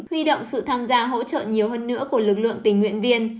huy động sự tham gia hỗ trợ nhiều hơn nữa của lực lượng tình nguyện viên